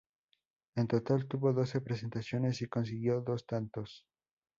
En total tuvo doce presentaciones y consiguió dos tantos.